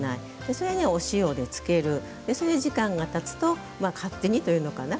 それには、お塩で漬けるそれで時間がたつと勝手にというのかな。